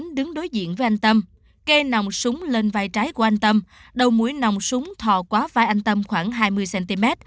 đứng đối diện với anh tâm kê nòng súng lên vai trái của anh tâm đầu mũi nòng súng thò quá vai anh tâm khoảng hai mươi cm